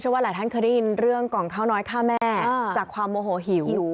ว่าหลายท่านเคยได้ยินเรื่องกล่องข้าวน้อยฆ่าแม่จากความโมโหหิว